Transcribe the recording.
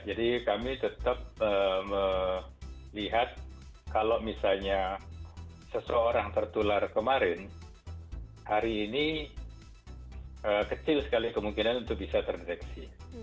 jadi kami tetap melihat kalau misalnya seseorang tertular kemarin hari ini kecil sekali kemungkinan untuk bisa terdeteksi